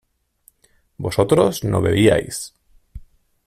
vosotros no bebíais